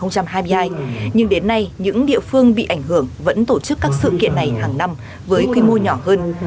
nhưng đến nay những địa phương bị ảnh hưởng vẫn tổ chức các sự kiện này hàng năm với quy mô nhỏ hơn